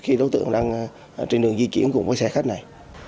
khi đối tượng đang trên đường di chuyển cùng với xe khách này